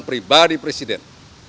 menyerang pribadi presiden